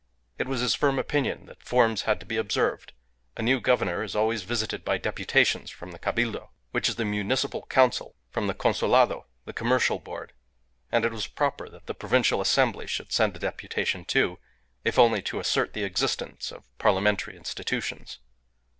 It was his firm opinion that forms had to be observed. A new governor is always visited by deputations from the Cabildo, which is the Municipal Council, from the Consulado, the commercial Board, and it was proper that the Provincial Assembly should send a deputation, too, if only to assert the existence of parliamentary institutions.